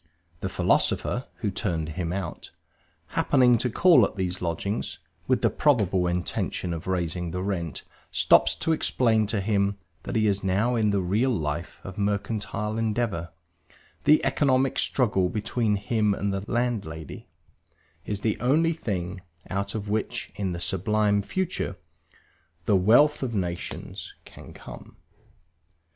The philosopher (who turned him out), happening to call at these lodgings, with the probable intention of raising the rent, stops to explain to him that he is now in the real life of mercantile endeavor; the economic struggle between him and the landlady is the only thing out of which, in the sublime future, the wealth of nations can come.